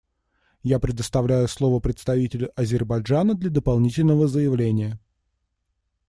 Я предоставляю слово представителю Азербайджана для дополнительного заявления.